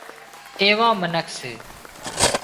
ايوان منک سي